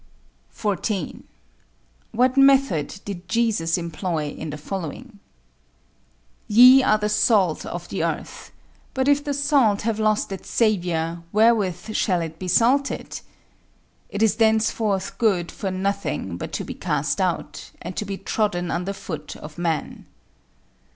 14. What method did Jesus employ in the following: Ye are the salt of the earth; but if the salt have lost his savour, wherewith shall it be salted? It is thenceforth good for nothing but to be cast out, and to be trodden under foot of men.